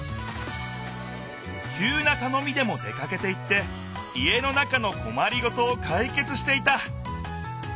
きゅうなたのみでも出かけていって家の中のこまりごとをかいけつしていた。